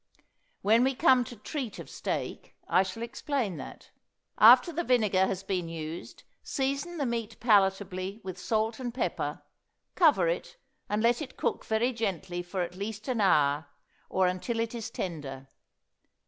When we come to treat of steak, I shall explain that. After the vinegar has been used, season the meat palatably with salt and pepper, cover it, and let it cook very gently for at least an hour, or until it is tender.